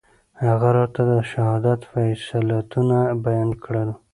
هغه راته د شهادت فضيلتونه بيان کړل.